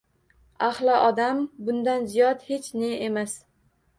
Аhli odam bundan ziyod hech ne emas!